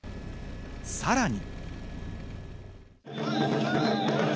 さらに。